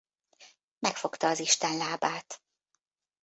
Megfogta az Isten lábát.